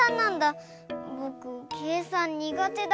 ぼくけいさんにがてだからさあ。